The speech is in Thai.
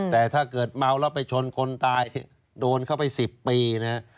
แต่ถ้าเกิดเมาแล้วไปชนคนตายโดนเข้าไป๑๐ปีนะฮะ